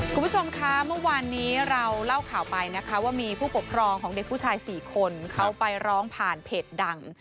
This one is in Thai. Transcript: คุณผู้ชมคะเมื่อวานนี้เราเล่าข่าวไปนะคะว่ามีผู้ปกครองของเด็กผู้ชาย๔คนเขาไปร้องผ่านเพจดัง